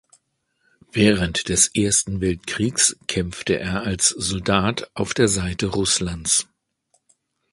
Während des Ersten Weltkriegs kämpfte er als Soldat auf der Seite Russlands.